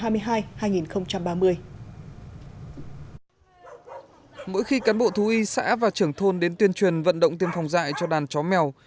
mỗi khi cán bộ thú y xã và trưởng thôn đến tuyên truyền vận động tiêm phòng dạy cho đàn chó mèo